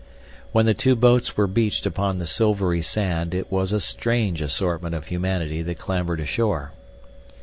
When the two boats were beached upon the silvery sand it was a strange assortment of humanity that clambered ashore.